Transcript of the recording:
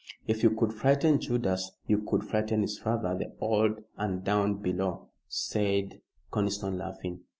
"If you could frighten Judas you could frighten his father, the Old 'Un down below," said Conniston, laughing.